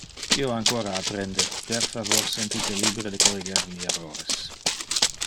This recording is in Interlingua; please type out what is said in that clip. Io ancora apprende; per favor senti te libere de corriger mi errores.